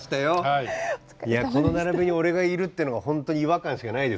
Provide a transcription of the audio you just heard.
いやこの並びに俺がいるっていうのがほんとに違和感しかないですけど。